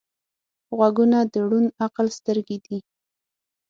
غوږونه د روڼ عقل سترګې دي